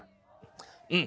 うん！